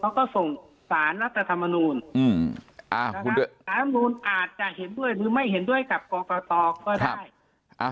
อาหารมนุนอาจจะเห็นด้วยหรือไม่เห็นด้วยกับกรกตก็ได้